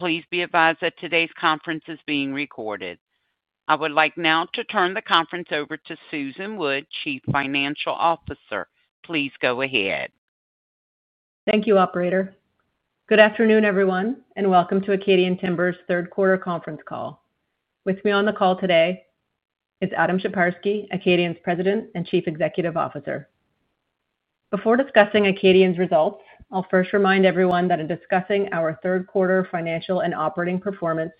Please be advised that today's conference is being recorded. I would like now to turn the conference over to Susan Wood, Chief Financial Officer. Please go ahead. Thank you, Operator. Good afternoon, everyone, and welcome to Acadian Timber's third-quarter conference call. With me on the call today is Adam Sheparski, Acadian's President and Chief Executive Officer. Before discussing Acadian's results, I'll first remind everyone that in discussing our third-quarter financial and operating performance,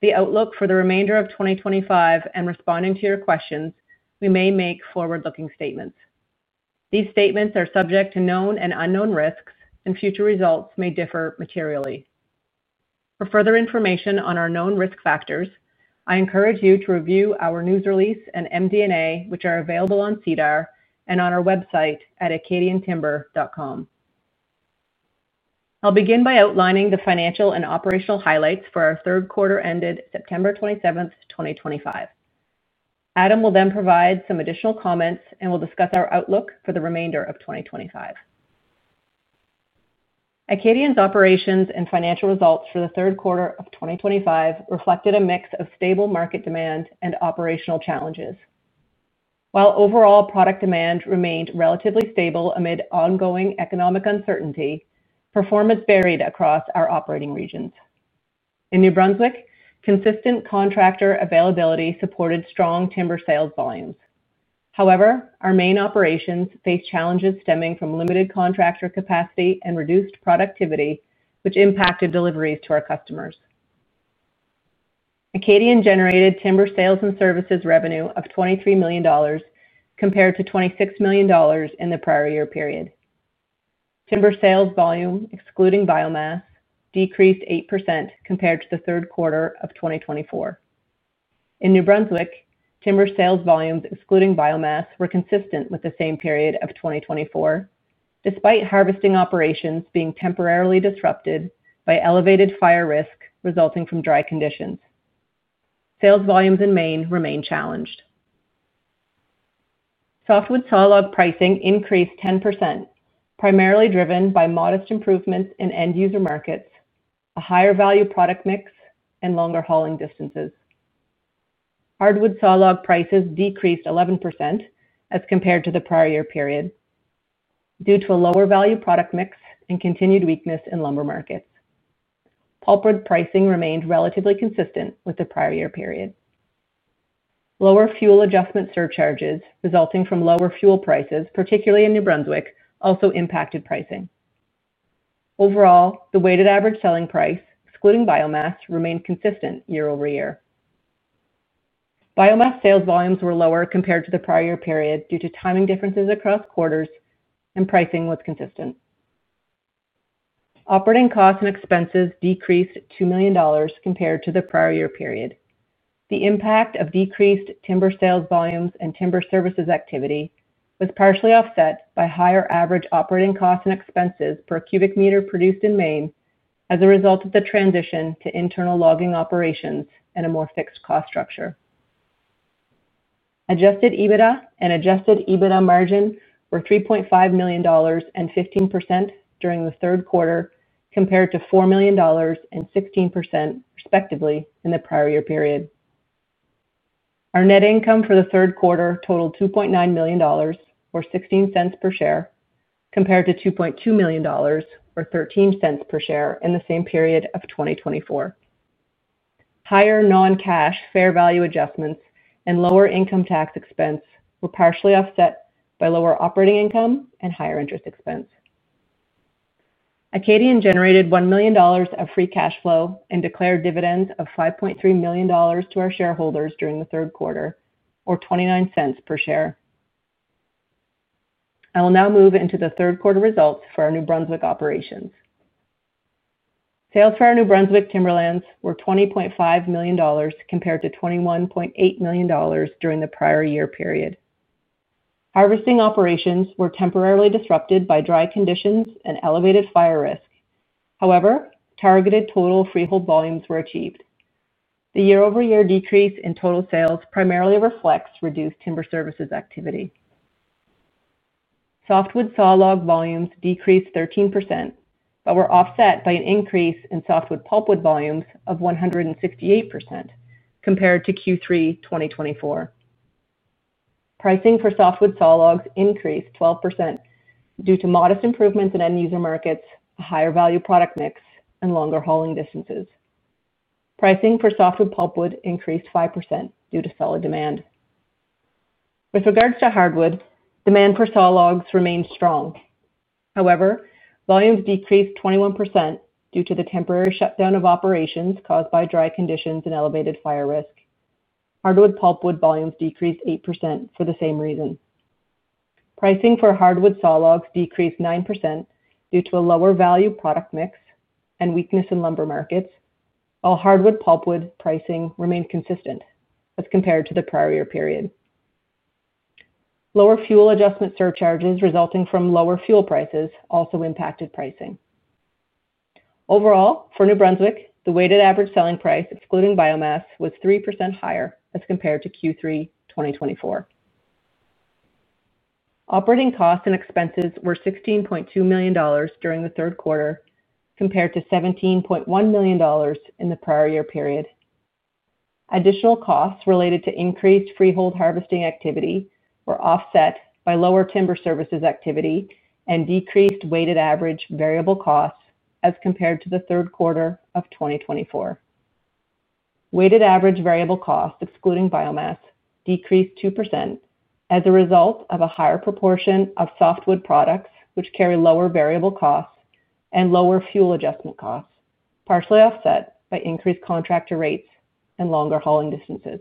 the outlook for the remainder of 2025, and responding to your questions, we may make forward-looking statements. These statements are subject to known and unknown risks, and future results may differ materially. For further information on our known risk factors, I encourage you to review our news release and MD&A, which are available on SEDAR and on our website at acadiantimber.com. I'll begin by outlining the financial and operational highlights for our third quarter ended September 27, 2025. Adam will then provide some additional comments and will discuss our outlook for the remainder of 2025. Acadian's operations and financial results for the third quarter of 2025 reflected a mix of stable market demand and operational challenges. While overall product demand remained relatively stable amid ongoing economic uncertainty, performance varied across our operating regions. In New Brunswick, consistent contractor availability supported strong timber sales volumes. However, our Maine operations faced challenges stemming from limited contractor capacity and reduced productivity, which impacted deliveries to our customers. Acadian generated timber sales and services revenue of 23 million dollars, compared to 26 million dollars in the prior year period. Timber sales volume, excluding biomass, decreased 8% compared to the third quarter of 2024. In New Brunswick, timber sales volumes, excluding biomass, were consistent with the same period of 2024, despite harvesting operations being temporarily disrupted by elevated fire risk resulting from dry conditions. Sales volumes in Maine remained challenged. Softwood sawlog pricing increased 10%, primarily driven by modest improvements in end-use markets, a higher value product mix, and longer hauling distances. Hardwood sawlog prices decreased 11% as compared to the prior year period due to a lower value product mix and continued weakness in lumber markets. Pulpwood pricing remained relatively consistent with the prior year period. Lower fuel adjustment surcharges resulting from lower fuel prices, particularly in New Brunswick, also impacted pricing. Overall, the weighted average selling price, excluding biomass, remained consistent year over year. Biomass sales volumes were lower compared to the prior year period due to timing differences across quarters, and pricing was consistent. Operating costs and expenses decreased 2 million dollars compared to the prior year period. The impact of decreased timber sales volumes and timber services activity was partially offset by higher average operating costs and expenses per cubic meter produced in Maine as a result of the transition to internal logging operations and a more fixed cost structure. Adjusted EBITDA and Adjusted EBITDA margin were 3.5 million dollars and 15% during the third quarter compared to 4 million dollars and 16%, respectively, in the prior year period. Our net income for the third quarter totaled 2.9 million dollars, or 0.16 per share, compared to 2.2 million dollars, or 0.13 per share, in the same period of 2024. Higher non-cash fair value adjustments and lower income tax expense were partially offset by lower operating income and higher interest expense. Acadian generated 1 million dollars of free cash flow and declared dividends of 5.3 million dollars to our shareholders during the third quarter, or 0.29 per share. I will now move into the third quarter results for our New Brunswick operations. Sales for our New Brunswick timberlands were 20.5 million dollars compared to 21.8 million dollars during the prior year period. Harvesting operations were temporarily disrupted by dry conditions and elevated fire risk. However, targeted total freehold volumes were achieved. The year-over-year decrease in total sales primarily reflects reduced timber services activity. Softwood sawlog volumes decreased 13% but were offset by an increase in softwood pulpwood volumes of 168% compared to Q3 2024. Pricing for softwood sawlogs increased 12% due to modest improvements in end-use markets, a higher value product mix, and longer hauling distances. Pricing for softwood pulpwood increased 5% due to solid demand. With regards to hardwood, demand for sawlogs remained strong. However, volumes decreased 21% due to the temporary shutdown of operations caused by dry conditions and elevated fire risk. Hardwood pulpwood volumes decreased 8% for the same reason. Pricing for hardwood sawlogs decreased 9% due to a lower value product mix and weakness in lumber markets, while hardwood pulpwood pricing remained consistent as compared to the prior year period. Lower fuel adjustment surcharges resulting from lower fuel prices also impacted pricing. Overall, for New Brunswick, the weighted average selling price, excluding biomass, was 3% higher as compared to Q3 2024. Operating costs and expenses were 16.2 million dollars during the third quarter compared to 17.1 million dollars in the prior year period. Additional costs related to increased freehold harvesting activity were offset by lower timber services activity and decreased weighted average variable costs as compared to the third quarter of 2024. Weighted average variable costs, excluding biomass, decreased 2% as a result of a higher proportion of softwood products which carry lower variable costs and lower fuel adjustment costs, partially offset by increased contractor rates and longer hauling distances.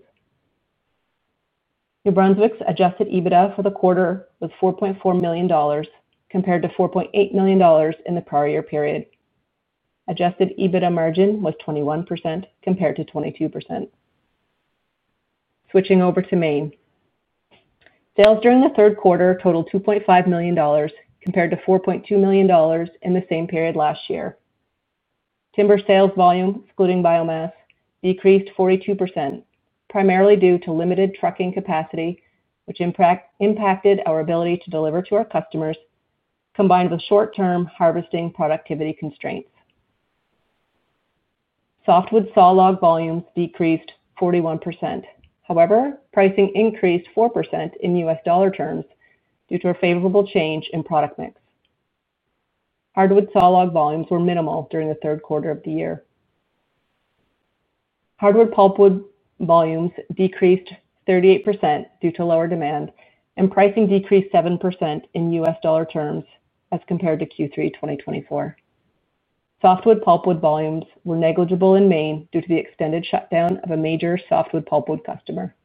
New Brunswick's Adjusted EBITDA for the quarter was 4.4 million dollars compared to 4.8 million dollars in the prior year period. Adjusted EBITDA margin was 21% compared to 22%. Switching over to Maine. Sales during the third quarter totaled 2.5 million dollars compared to 4.2 million dollars in the same period last year. Timber sales volume, excluding biomass, decreased 42%, primarily due to limited trucking capacity, which impacted our ability to deliver to our customers, combined with short-term harvesting productivity constraints. Softwood sawlog volumes decreased 41%. However, pricing increased 4% in U.S. dollar terms due to a favorable change in product mix. Hardwood sawlog volumes were minimal during the third quarter of the year. Hardwood pulpwood volumes decreased 38% due to lower demand, and pricing decreased 7% in U.S. dollar terms as compared to Q3 2024. Softwood pulpwood volumes were negligible in Maine due to the extended shutdown of a major softwood pulpwood customer.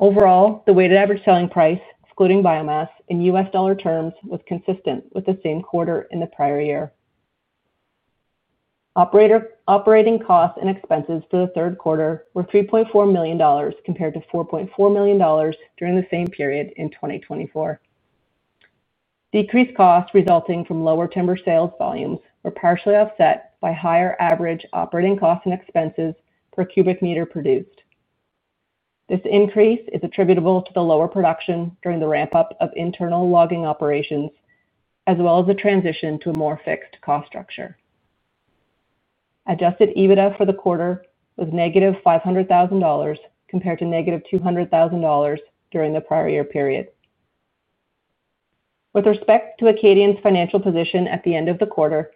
Overall, the weighted average selling price, excluding biomass, in U.S. dollar terms was consistent with the same quarter in the prior year. Operating costs and expenses for the third quarter were 3.4 million dollars compared to 4.4 million dollars during the same period in 2024. Decreased costs resulting from lower timber sales volumes were partially offset by higher average operating costs and expenses per cubic meter produced. This increase is attributable to the lower production during the ramp-up of internal logging operations, as well as the transition to a more fixed cost structure. Adjusted EBITDA for the quarter was -500,000 dollars compared to -200,000 dollars during the prior year period. With respect to Acadian's financial position at the end of the quarter,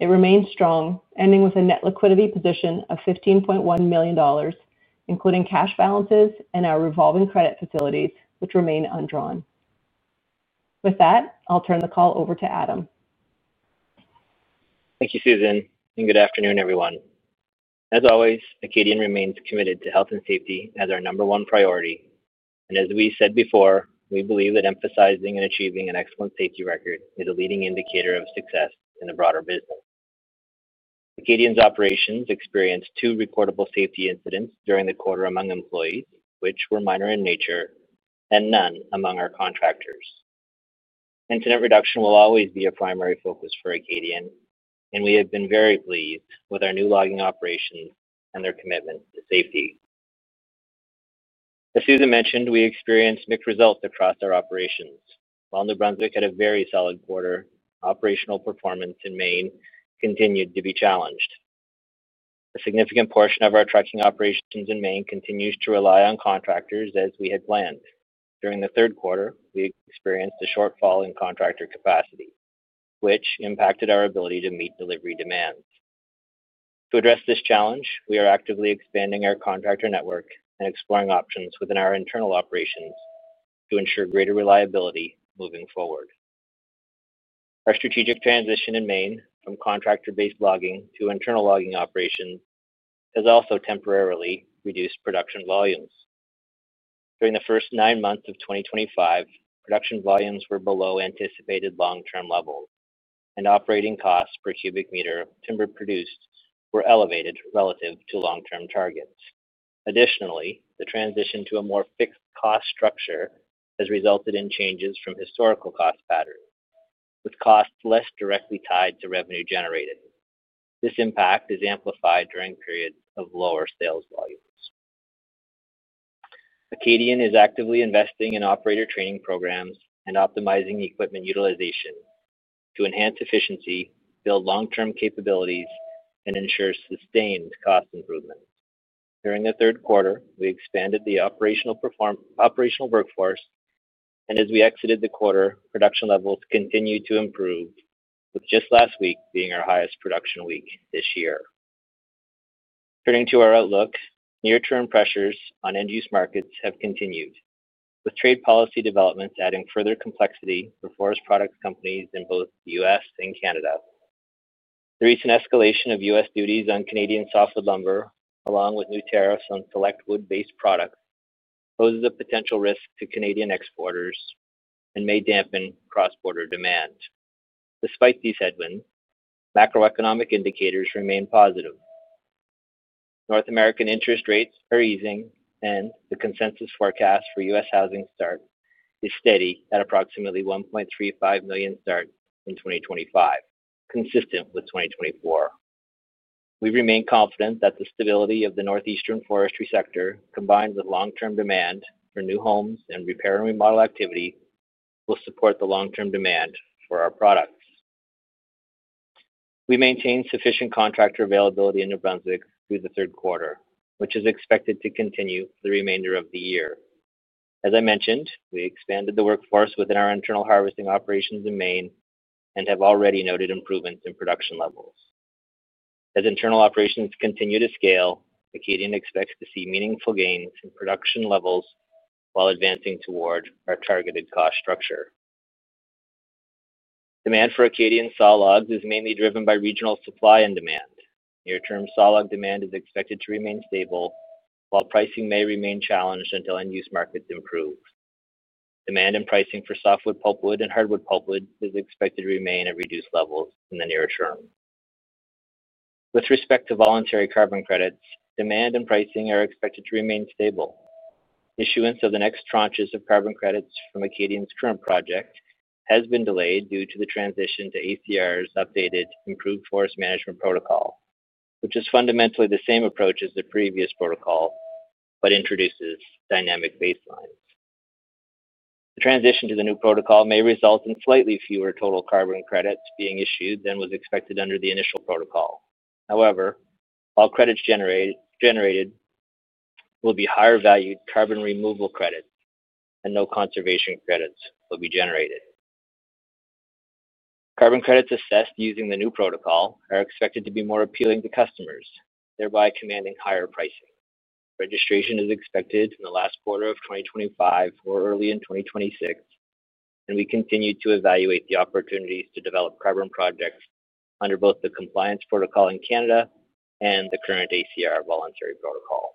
it remained strong, ending with a net liquidity position of 15.1 million dollars, including cash balances and our revolving credit facilities, which remain undrawn. With that, I'll turn the call over to Adam. Thank you, Susan, and good afternoon, everyone. As always, Acadian remains committed to health and safety as our number one priority. As we said before, we believe that emphasizing and achieving an excellent safety record is a leading indicator of success in the broader business. Acadian's operations experienced two recordable safety incidents during the quarter among employees, which were minor in nature, and none among our contractors. Incident reduction will always be a primary focus for Acadian, and we have been very pleased with our new logging operations and their commitment to safety. As Susan mentioned, we experienced mixed results across our operations. While New Brunswick had a very solid quarter, operational performance in Maine continued to be challenged. A significant portion of our trucking operations in Maine continues to rely on contractors as we had planned. During the third quarter, we experienced a shortfall in contractor capacity, which impacted our ability to meet delivery demands. To address this challenge, we are actively expanding our contractor network and exploring options within our internal operations to ensure greater reliability moving forward. Our strategic transition in Maine from contractor-based logging to internal logging operations has also temporarily reduced production volumes. During the first nine months of 2025, production volumes were below anticipated long-term levels, and operating costs per cubic meter of timber produced were elevated relative to long-term targets. Additionally, the transition to a more fixed cost structure has resulted in changes from historical cost patterns, with costs less directly tied to revenue generated. This impact is amplified during periods of lower sales volumes. Acadian is actively investing in operator training programs and optimizing equipment utilization to enhance efficiency, build long-term capabilities, and ensure sustained cost improvements. During the third quarter, we expanded the operational workforce, and as we exited the quarter, production levels continued to improve, with just last week being our highest production week this year. Turning to our outlook, near-term pressures on end-use markets have continued, with trade policy developments adding further complexity for forest products companies in both the U.S. and Canada. The recent escalation of U.S. duties on Canadian softwood lumber, along with new tariffs on select wood-based products, poses a potential risk to Canadian exporters and may dampen cross-border demand. Despite these headwinds, macroeconomic indicators remain positive. North American interest rates are easing, and the consensus forecast for U.S. housing start is steady at approximately 1.35 million starts in 2025, consistent with 2024. We remain confident that the stability of the northeastern forestry sector, combined with long-term demand for new homes and repair and remodel activity, will support the long-term demand for our products. We maintain sufficient contractor availability in New Brunswick through the third quarter, which is expected to continue for the remainder of the year. As I mentioned, we expanded the workforce within our internal logging operations in Maine and have already noted improvements in production levels. As internal operations continue to scale, Acadian expects to see meaningful gains in production levels while advancing toward our targeted cost structure. Demand for Acadian sawlogs is mainly driven by regional supply and demand. Near-term sawlog demand is expected to remain stable, while pricing may remain challenged until end-use markets improve. Demand and pricing for softwood pulpwood and hardwood pulpwood is expected to remain at reduced levels in the near term. With respect to voluntary carbon credits, demand and pricing are expected to remain stable. Issuance of the next tranches of carbon credits from Acadian's current project has been delayed due to the transition to ACR's updated Improved Forest Management Protocol, which is fundamentally the same approach as the previous protocol but introduces dynamic baselines. The transition to the new protocol may result in slightly fewer total carbon credits being issued than was expected under the initial protocol. However, all credits generated will be higher-valued carbon removal credits, and no conservation credits will be generated. Carbon credits assessed using the new protocol are expected to be more appealing to customers, thereby commanding higher pricing. Registration is expected in the last quarter of 2025 or early in 2026. We continue to evaluate the opportunities to develop carbon projects under both the compliance protocol in Canada and the current ACR voluntary protocol.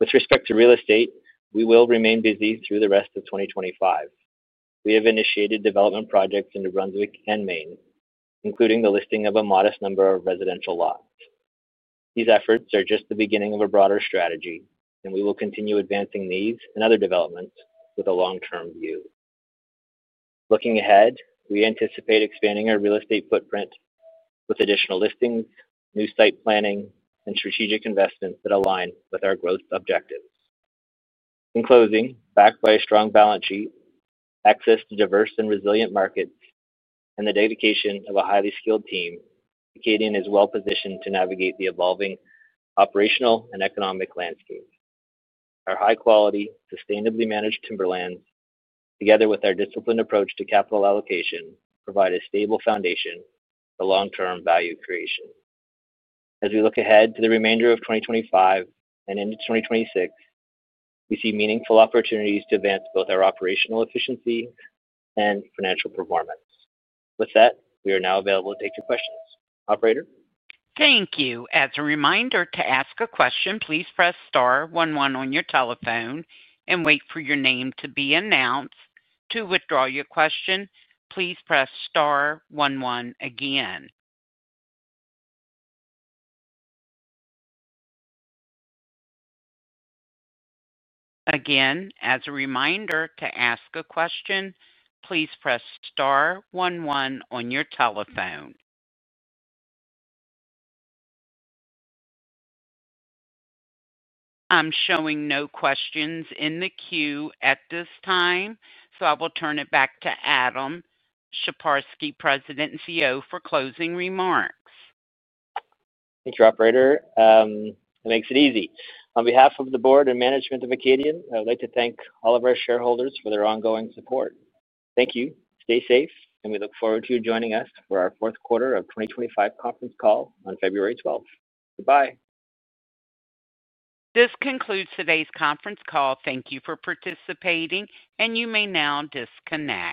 With respect to real estate, we will remain busy through the rest of 2025. We have initiated development projects in New Brunswick and Maine, including the listing of a modest number of residential lots. These efforts are just the beginning of a broader strategy, and we will continue advancing these and other developments with a long-term view. Looking ahead, we anticipate expanding our real estate footprint with additional listings, new site planning, and strategic investments that align with our growth objectives. In closing, backed by a strong balance sheet, access to diverse and resilient markets, and the dedication of a highly skilled team, Acadian is well-positioned to navigate the evolving operational and economic landscape. Our high-quality, sustainably managed timberlands, together with our disciplined approach to capital allocation, provide a stable foundation for long-term value creation. As we look ahead to the remainder of 2025 and into 2026, we see meaningful opportunities to advance both our operational efficiency and financial performance. With that, we are now available to take your questions. Operator? Thank you. As a reminder, to ask a question, please press star one one on your telephone and wait for your name to be announced. To withdraw your question, please press star one one again. Again, as a reminder, to ask a question, please press star one one on your telephone. I'm showing no questions in the queue at this time, so I will turn it back to Adam Sheparski, President and CEO, for closing remarks. Thank you, Operator. It makes it easy. On behalf of the Board and management of Acadian, I would like to thank all of our shareholders for their ongoing support. Thank you. Stay safe, and we look forward to you joining us for our fourth quarter of 2025 conference call on February 12th. Goodbye. This concludes today's conference call. Thank you for participating, and you may now disconnect.